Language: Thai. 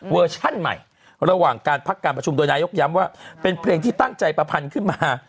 ชั่นใหม่ระหว่างการพักการประชุมโดยนายกย้ำว่าเป็นเพลงที่ตั้งใจประพันธ์ขึ้นมา